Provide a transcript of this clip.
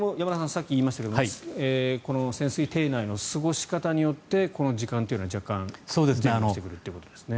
さっき言いましたがこの潜水艇内の過ごし方によってこの時間というのは若干前後してくるということですね。